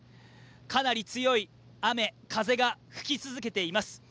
かなり強い雨・風が吹き続けています。